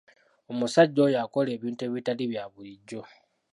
Omusajja oyo akola ebintu ebitali bya bulijjo!